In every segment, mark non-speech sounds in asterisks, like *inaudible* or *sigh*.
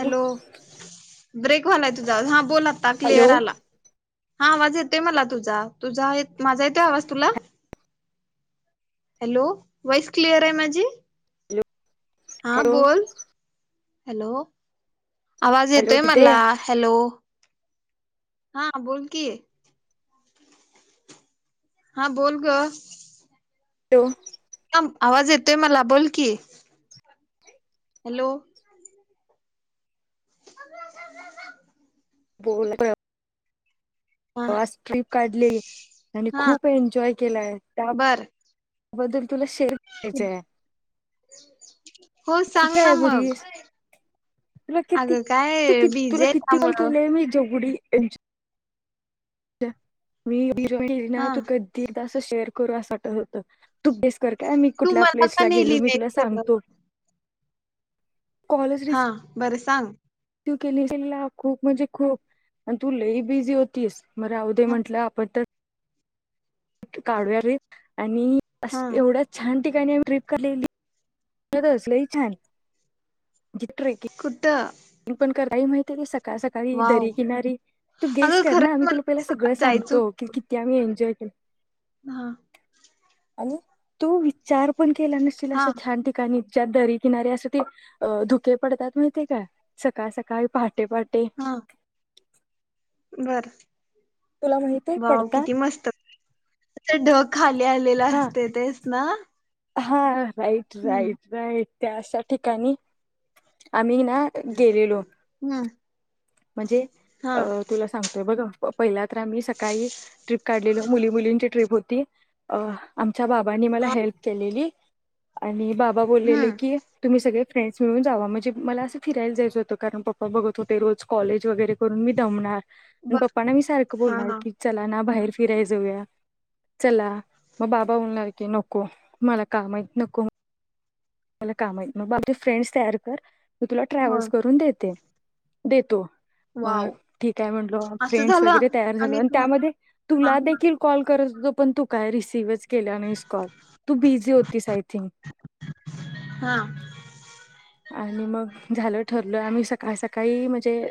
Hello ब्रेकवालाय तुझा हा बोलातता क्लिअर आला हॅलो हा आवाज येतोय मला तुझा तुझा माझा येतोय आवाज तुला हॅलो वॉइस क्लिअर आहे माझी हॅलो हा बोल हॅलो आवाज हॅलो येतोय दिदे मला हॅलो हा बोल कि हा बोल ग हेलो ह आवाज येतोय मला बोल की हॅलो *unintelligible* बोल *inaudible* ह *unintelligible* ट्रिप काढलेली आणि हा खूप एन्जॉय केलाय त्या बर बदल तुला शर्ट द्यायचय हो सांग ना कुठाय मग बरीस तुला किती अगं तू काय कि बिझी तुला आहे किती कॉल त्यामुळं केलेय मी जेवढी एन्जॉय मी बिल गेली हा ना तू कधी त्यास शेअर करू असं वाटत होत तू गेस कर काय मी तू कुठल्या मला का प्लेसला नेली गेलो मी तुला नाही सांगतो हा बरं सांग तू केली तला खूप म्हणजे खूप आणि तू लै बिझी होतीस म राहूदे म्हटलं आपण तर हित काढूया रे आणि हा एवढा छान ठिकाणी ट्रिप काढलेली तु तर हसलेही छान कुठं मी पण कराय *unintelligible* सकाळ सकाळी वाव दरी किनारी तू गेस अगं कर ना खरंच आम्ही मला तुला पहिला सगळं निसर्गात जायचं सांगतो की किती आम्ही एन्जॉय ह हा आणि तू विचार पण केल्या नसशील हा अशा छान ठिकाणी त्या दरी किनारीे असं ते धुके पडतात माहितीय काय? सकाळ सकाळी पहाटे *unintelligible* बरं. तुला माहित आहे व्वाव किती पडतात मस्त- ढग खाली ते आलेल हा असतयं. तेच ना? हा. राईट हम्म राईट राईट. त्या अशा ठिकाणी- आम्ही ना गेलेलो हं. म्हणजे, अ -तुला सांगतोय बघ- प पहिल्या- आम्ही सकाळी ट्रिप काढ- एकदा मुली मुलींची ट्रिप होती अ आम्- च्या बाबांनी मला हा हेल्प केलेली. आणि बाब- बाबा बोललेले हम्म की, तुम्ही सगळे- फ्रेंड्स मिळून जावा. म्हणजे, मला असं फिरायला जायचं होतं कारण पप्पा बघत होते रोज- कॉलेज वगैरे करून मी दमणार. मी बर पप्पाना मी सारखं हा बोलणार हा की, चला ना बाहेर- फिराया जाऊया. चला, मग बाबा बोलणार की नको, मला काम आहेत नको. मला काम आहेत, मग बाकी फ्रेंड्स तयार कर- मी तुला ट्रॅव्हल्स बर करून देते. देतो. मग, वाव ठीक आहे म्हटलो, असं फ्रेंडस झालं वगैरे तयार झाले आणि तू हा त्यामध्ये तुला देखील कॉल- खरच ग, पण तू काय रिसिव्हच केला नाहीस कॉल, तू बिझी होतीस आय थिंक. हा. आणि मग झालं ठरलं आम्ही सकाळ सकाळी म्हणजे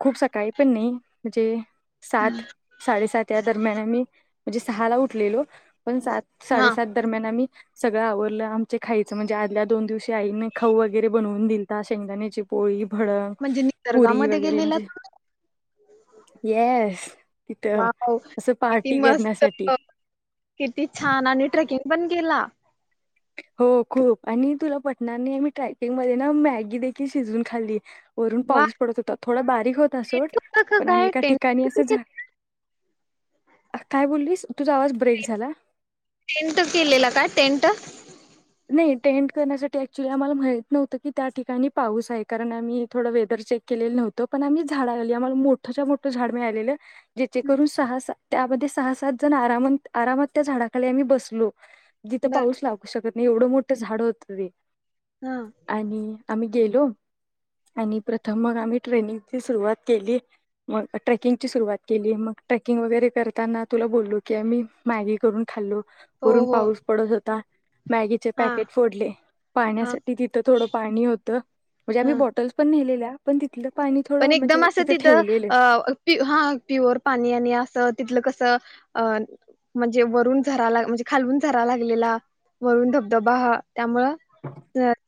खूप सकाळी पण नाही म्हणजे- सात, हा साडेसात या दरम्यान आम्ही- म्हणजे सहाला उठलेलो. पण सात हा साडेसात दरम्यान आम्ही- सगळं आवरलं आमच. खायचं म्हणजे आदल्या दोन दिवशी आईनें खाऊ व- वगैरे बनवून दिलता, शेंगदाण्याची पोळी- भडंग म्हणजे निसर्गा पुरी मध्ये वगैरे म्हणजे गेलेलात? येस तिथं असं किती पार्टी मस्त, करण्यासाठी किती छान आणि ट्रेकिंग पण केला. हो खूप आणि तुला पटणार नाही मी ट्रॅकिंग मध्ये ना मॅगी देखील शिजवून खाल्ली. वरून वा पाऊस पडत होता थोडा बारीक होता सोड, टेंट होता का पण आम्ही काय एका टेंट ठिकाणी असं झाल, काय बोललीस तुझा आवाज ब्रेक झाला. टेंट केलेला काय टेंट नाही टेंट करण्यासाठी ऍक्च्युली आम्हाला माहित नव्हत की त्या ठिकाणी पाऊस आहे कारण आम्ही थोडं वेदर चेक केलेलं नव्हतं पण आम्ही झाड आली आम्हाला मोठ मोठ झाड मीळालेलं. जीथे करून सहा स त्यामध्ये सहा सात जण आरामात त्या झाडाकडे आम्ही बसलो. जिथं बर पाऊस लागू शकत. एवढ मोठ् झाड होत ते. हा आणि आम्ही गेलो आणि प्रथम मग आम्ही ट्रेनिंगची सुरुवात केली मग ट्रेकिंगची सुरुवात केली मग ट्रेकिंग वगैरे करताना तुला बोललो की आम्ही मॅगी करून खाल्लो. हो वरून हो पाऊस पडत होता. मॅगीचे हा पॅकेट फोडले हा पाहण्यासाठी तिथं थोडं पाणी होतं म्हणजे आम्ही हा बॉटल्स पण नेलेल्या पण तिथलं पाणी थोडं पण एकदम म्हणजे असं तिथं ठेवलेलं हा प्युअर पाणी आणि अस. तिथलं कसं अ म्हणजे वरून झरा ला म्हणजे खालून झरा लागलेला वरून धबधबा. त्यामुं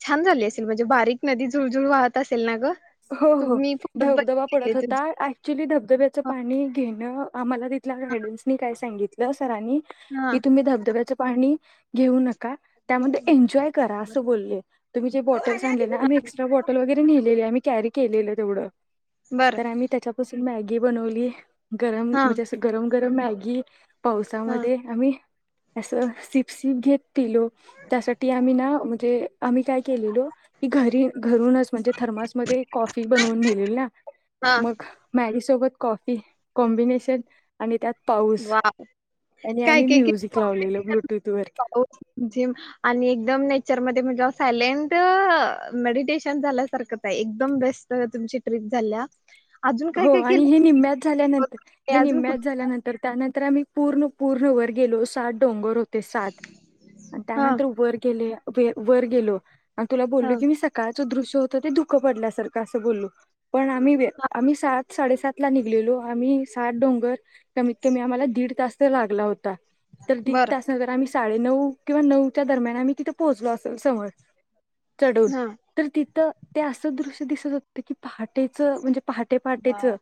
छान झाली अस. म्हणजे बारीक नदी जुळजुळ वाहत असेल ना ग. हो हो. तुम्ही फोटोत धबधबा बघितले पडत होता तुझे ऍक्च्युअली धबधब्याचं हा पाणी घेणं आम्हाला तिला गायडन्सनी का. सांगितलं. रा की तुम्ही धबधब्याचं पाणी. घेऊ नक त्यामध्ये एन्जॉय करा अस ब तुम्ही जे बॉटल्स आण ना आम्ही एक्स्ट्रा बटलगरेे आम्. कॅरी केलेलं तेवढं. बर तर आम्ही त्याच्यापासून मॅ घी बनवली. गरम हा म्हणजे असं गरम. गरम मॅग हा पावसामध्ये आम्ही असं सिप सिप घेततीललो त्यासाठी आम्ही ना म्हणजे आम्ही काय केलेलो की घरी घरूनच म्हणजे थर्स. *inaudible* हा सोबत कॉफी कॉम्बिनेशन आणि त्यात पाऊस वा आणि काय आम्ही काय कि म्युझिक लावलेलं ब्लूटूथ वर आणि एकदम चर मध्ये म्हणजे सायलेंट मेडिटेशन झाल्यासारख आहे एकदम बेस्ट तुमची ट्रीप झाल्या अजून काय हो काय आणि केलं हे निम्म्यात झाल्यानंतर हे अजून कुठ निम्म्यात झाल्यानं तर त्यानंतर आम्ही पूर्ण पूर्ण वर गेलो सात डोंगर होत ते सात आणि हा त्यानंतर वर गेले वे वर गेलो आणि तुला बोल्लो हा की मी सकाळ च दृश्य होत ते दुःख पडल्यासारखं असं बोल्लो पण आम्ही हा आम्ही सात साडेसात ला निघलेलो आम्ही सात डोंगर कमीत कमी आम्हाला दीड तास तर लागला होता. बर *unintelligible* साडे नऊ किंवा नऊच्या दरम्यान आम्ही तिथे पोहोचलो असेल समज चढून हा तर तिथं ते असं दृश्य दिसत होतं की पहाटेचं म्हणजे पहाटे पहाटेच वाव!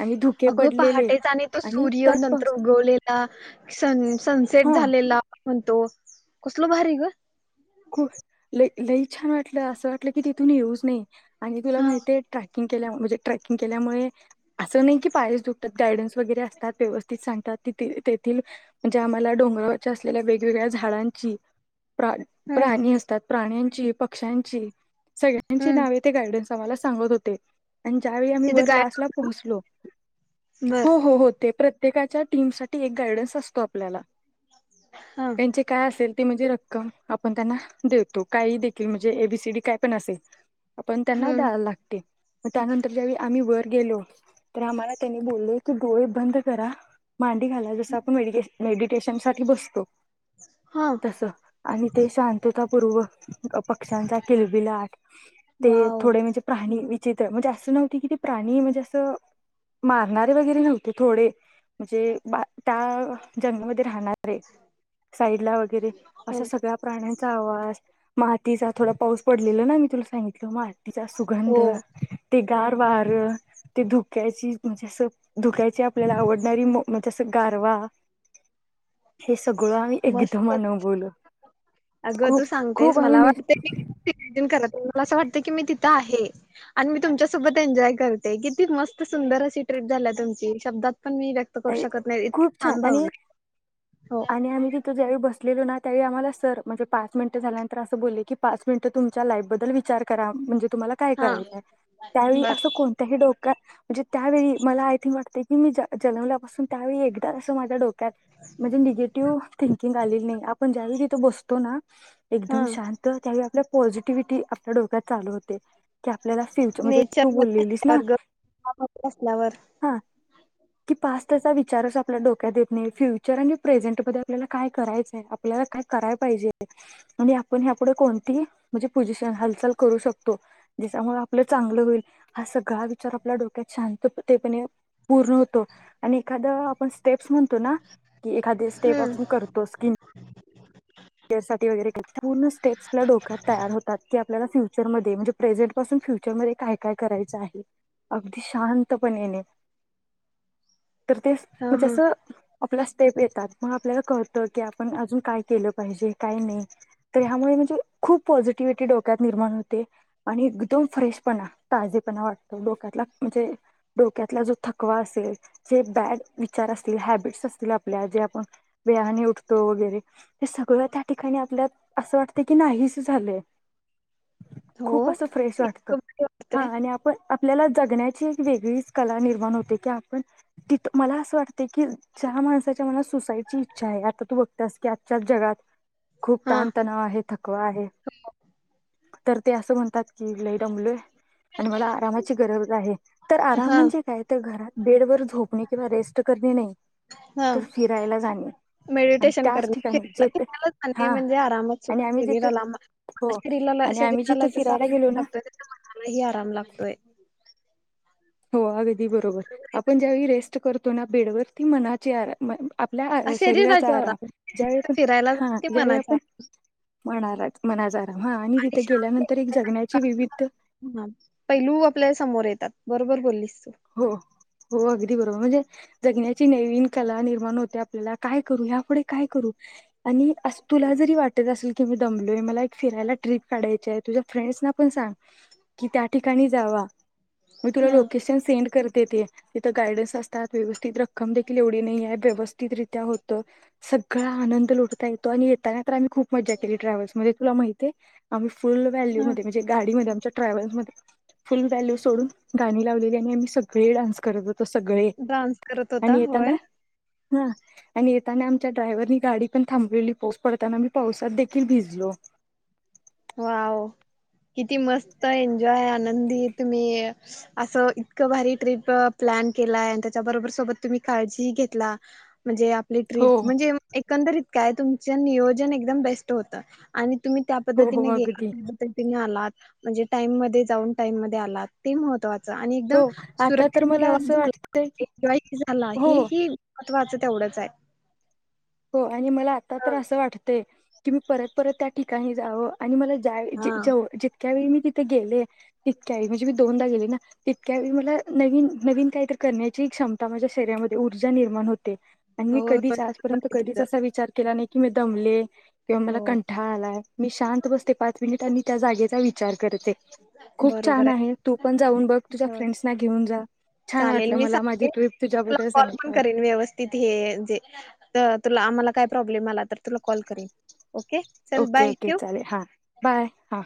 आणि धुके अगं पडलेले पहाटेचा आणि तो सूर्य त्यात नंतर पास उगवलेला, सन सनसेट हा झालेला म्हणतो कसलं भारी गं *unintelligible* लई छान वाटलं असं वाटलं की तिथून येऊच नये आणि तुला हा माहितेत का किंग केल्याम म्हणजे ट्रेकिंग केल्यामुळे असं नाही की पायच दुखतात गायडन्स वगैरे असतात व्यवस्थित सांगतात तेथे तेथील म्हणजे आम्हाला डोंगरावरच्या असलेल्या वेगवेगळ्या झाडांची प्रा हम्म प्राणी असतात प्राण्यां ची पक्ष्यांची सगळ्यांचे हम्म नाव ते गार्डनस आम्हाला सांगत होते आणि ज्यावेळी आम्ही तिथं वर गाय लास्टला पोहोचलो बर हो हो हो ते प्र त्येकाच्या टीम साठी एक गायडन्स असतो आपल्याला हा त्यांचे काय असेल ते म्हणजे रक्कम आपण त्यांना देतो काही देखील म्हणजे ए बी सी डी काय पण असेल आपण त्यांना हम्म द्याला लागते म त्यानंतर ज्यावेळी आम्ही वर गेलो तर आम्हाला त्यांनी बोल्ले की डोळे बंद करा मांडी घाला जसं आपण मेडीटेश मेडिटेशन साठी बसतो हा तस आणि ते शांततापूर्वक पक्ष्यांचा किलबिलाट ते वाव थोडे म्हणजे प्रा - - विचित्र म्हणजे अस नव्हत कि ते प्राणी म्हणजे अस मारणारे वैगेरे नव्हते थोडे म्हणजे - - त्या जंगलमध्ये राहणारे साईड ला वगैरे असं सगळ्या प्राण्यांचा आवाज मातीचा थोडा पाऊस पडलेला ना मी तुला सांगितलं मात - - मातिचा सुगंध हो - - ते गार वार ते धुक्याची म्हणजे अस धुक्याच्या - - आपल्याला आवडणारी म्हणजे असं - - गारवा हे सगळं आम्ही एकदम मस्त अनुभवलं. अगं तू खूप सांगतेस खूप मला आम्ही वाटतय की मला अस वाटतं की मी ति - - इथ आहे आणि मी तुमच्या सोबत एन्जॉय करते किती मस्त सुंदर अशी ट्रिप झाल्या तुमची शब्दात पण मी व्यक्त करू शकत नाही इतकी खूप छान शान आणि भावना आहे. आणि आम्ही तिथं ज्यावेळी बसलेलो ना त्यावेळी आम्हाला सर म्हणजे पाच मिनिट झाल्यानंतर असं बले की पाच मिनिट तुमच्या लाईफ बद्दल विचार करा म्हणजे तुम्हाला काय हा करायचंय त्यावेळी बर अस कोणत्याही क म्हणजे त्यावेळी मला आय थिंक वाटतय. की मी जा - - जलमल्यापासून त्यावेळी एकदा असं माझ्या डो त्यात म्हणजे निगेटिव्ह थिंकिंग आलेली नाही. आपण ज्यावेळी तिथ बसतो ना हा एकदम शांत त्या वेळी आपल्या पॉझिटिव्हटी आपल्या डोक्यात चालू होते. की आपल्याला फ्युचर म्हणजे तू नेचर मध्ये बोललेलीस ना? असल्यावर ग गावामध्ये असल्यावर हा. पास्टचा विचारच आपल्या डोक्यात येत नाही. फ्युचर आणि प्रेझेंट मध्ये आपल्याला काय करायचंय, आपल्याला काय कराय पाहिजे, आणि आपण ह्यापुढे कोणतीही म्हणजे पोझिशन हालचाल करू शकतो जिच्यामुळे आपलं चांगलं होईल हा सगळा विचार आपल्या डोक्यात शांततेपणे- - पुर्ण हो - - आणि एखादं आपण स्टेप्स म्हण तोना, की एखादी स्टेप हम्म आपण करतो स्किन त्यासाठी वगैरे पूर्ण स्टेप्स आपल्या डोक्यात तयार होतात आपल्याला फ्यु फ्युचर मध्ये म्हणजे प्रेझेंट पासून फ्युचरमध्ये काय काय करायचं आहे अगदी शांतपणेणे. तर ते हा म्हणजे हा असं आपला स्टेप येतात मग आपल्याला कळतं की आपण अजून काय केलं - - पाहिजे काय नाई तर ह्यामुळे म्हणजे खूप पॉझिटिव्हिटी डोक्यात निर्माण होते आणि एकदम फ्रेशपणा ताजेपणा वाटतो डोक्यातला म्हणजे डोक्यातला जो थकवा असेल जे बॅड विचार असतील हॅबिट्स असतील आपल्या जे आपण वेळाने उठतो वगैरे ते सगळं त्या ठिकाणी आपल्या असं वाटत की नाही स झालंय. हो खूप अस फ्रेश वाटत इतकं भारी हा वाटतंय आणि आपण आपल्याला जगण्याची एक वेगळीच कला निर्माण होते की आपण तिथं मला असं वाटते की ज्या माणसाच्या मनात सुसाईडची इच्छा आहे आता तू बघत्यास की *unintelligible* जगात खूप हा ताणतणाव आहे थकवा आहे तर ते असं म्हणतात की लय दमलोय आणि मला आरामाची गरज आहे. तर आराम हा म्हणजे काय तर घरात बेड वर झो झोपणे किंवा रेस्ट करणे नाही हा तर फिराला जाणे आणि मेडिटेशन त्या करणे फिरायला ते म्हणजे आरामात आणि आम्ही जिथे *unintelligible* शरीराला हो शरीराला आणि आम्ही जिथे शरीराला जसा फिरायला गेलो आराम ना लागतोय तस मनालाही आराम लागतोय. हो अगदी बरोबर आपण ज्यावेळी रेस्ट करतो ना बेडवरती मनाच्या आपल्या शरीराचा आराम ज्यावेळी आपण फिरायला हा जाण ते ज्यावेळी मनाच्या आपण म मनाचा आराम हा आणि तिथे गेल्यानंतर एक जगण्याची विविध हा पैलू आपल्या समोर येतात बरोबर बोललीस तू हो हो अगदी बरोबर म्हणजे जगण्याची नवीन कला निर्माण होते आपल्याला काय करू या पुुढे काय करू आणि अस तुला जरी वाट असेल की मी दमलोय मला फिरायला ट्रिप काढायची आहे तुझ्या फ्रेंडसना पण सांग की त्या ठिकाणी जावा मी तुला हा लोकेशन *unintelligible* तिथे गार्डन्स असतात व्यवस्थित रक्कम देखील एवढी नाहीये व्यवस्थितरित्या होत सगळ आनंद लुटता येतो आणि येताना तर आम्ही खूप मजा केली ट्रॅव्हल्स मध्ये तुला माहितीय अम फुल हा व्हॅल्यूमध्ये म्हणजे गाडीमध्ये ट्रॅव्हल्स मध्ये फुल व्हॅल्यू सोडून गाणी लावलेली आहे मेन म्हणजे सगळे डान्स करत होते तर सगळे डान्स करत होता आणि येताना होय. हा आणि येताना आमच्या ड्रायव्हरनी गाडी पण थांबलेली पाऊस पडताना मी पावसात देखील भिजलो. वॉव किती मस्त एन्जॉय आनंदी तुम्ही असं इतकं भारी ट्रिप प्लॅन केलाय आणि त्याच्याबरोबर सोबत तुम्ही काळजी घेतला म्हणजे आपली हो ट्रिप म्हणजे एकंदरीत काय तुम च नियोजन एकदम बेस्ट होत आणि तुम्ही त्या पद हो हो *unintelligible* अगदी म्हणजे टाईम मध्ये जाऊन टाईम मध्ये आलात ते महत्त्वाचं च आणि हो एकदम आता तर सुरक्षित मला प्रवास असं झाला वाटतंय की एन्जॉय झाला हो हे ही महत्वाचं तेवढंच आहे. हो आणि मला आता तर असं हा वाटतंय की मी परत परत त्या ठिकाणी जावं आणि मला जा ज तितक्या वेळी मी तिथे गेले, तितक्या वळी म्हणजे मी दोनदा गेले, ना तितक्या वेळी मला नवीन नवीन काही तर करण्याची क्षमता माझ्या शरीरामध्ये ऊर्जा निर्माण हो होते आणि मी हो कधीच आज नंतर कधी असा विचार केला नाही. मी दमले. किंवा मला हो कंठाळ आलाय मी शांत बसते पाच मिनिटनी आणि त्या जागेचा विचार खूप छान आहे. तू पण जाऊन बघ तुझ्या हो फ्रेंड घेऊन जा छान चालेल वाटलं मी मला माझी सांगेन टप तुला तुझ्याबद्दल कॉल सांगित पण करेन व्यवस्थित हे जे तर तुला आम्हाला काय प्रॉब्लेम आला तर तुला कॉल करे ओके ओके चालेल हा बाय हा